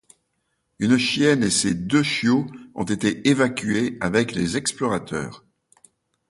Une chienne et ses deux chiots ont été évacués avec les explorateurs.